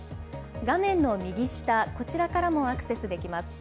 画面の右下、こちらからもアクセスできます。